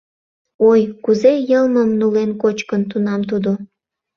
Ой, кузе йылмым нулен кочкын тунам тудо.